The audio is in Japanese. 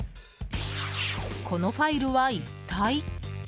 このファイルは一体？